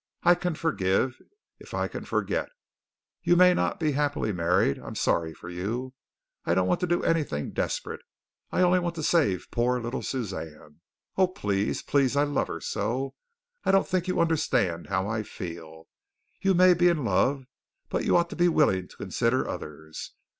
I can forgive, if I can't forget. You may not be happily married. I am sorry for you. I don't want to do anything desperate. I only want to save poor, little Suzanne. Oh, please! please! I love her so. I don't think you understand how I feel. You may be in love, but you ought to be willing to consider others.